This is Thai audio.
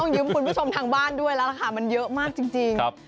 ยิ้มคุณผู้ชมทางบ้านด้วยแล้วล่ะค่ะมันเยอะมากจริง